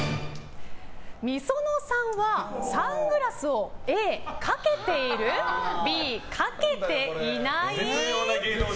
ｍｉｓｏｎｏさんはサングラスをＡ、かけているＢ、かけていない。